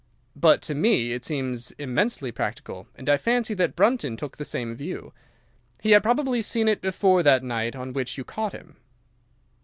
"'But to me it seems immensely practical, and I fancy that Brunton took the same view. He had probably seen it before that night on which you caught him.